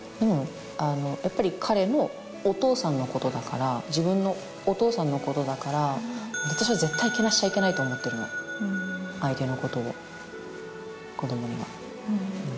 やっぱり彼のお父さんのことだから自分のお父さんのことだから私は。と思ってるの相手のことを子どもには。